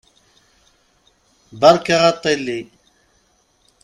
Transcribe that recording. Beṛka aṭṭili!